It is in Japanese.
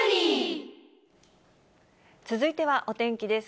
続いてはお天気です。